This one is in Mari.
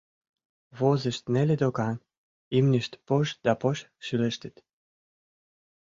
Возышт неле докан: имньышт пож да пож шӱлештыт.